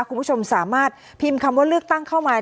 คุณผู้ชมสามารถพิมพ์คำว่าเลือกตั้งเข้ามา